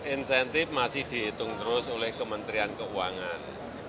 insentif masih dihitung terus oleh kementerian keuangan